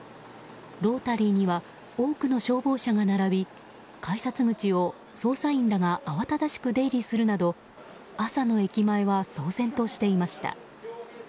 ロータリーには多くの消防車が並び改札口を捜査員らが慌ただしく出入りするなど朝の駅前は騒然としていました。